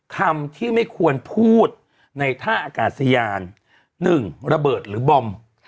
คำที่ไม่ควรพูดในท่าอากาศยาน๑ระเบิดหรือบอม